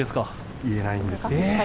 言えないんです。